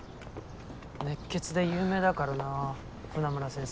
熱血で有名だからな船村先生。